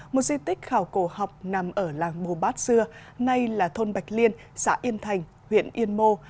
một di tích khảo cổ học nằm ở làng bồ bát xưa nay là thôn bạch liên xã yên thành huyện yên mô